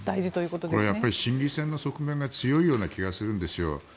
これは心理戦の側面が強いような気がするんです。